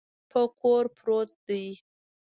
په کور پروت دی.